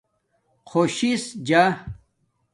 خوش شس جا